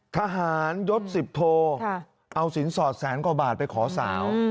ทหารยศ๑๐โทเอาสินสอดแสนกว่าบาทไปขอสาว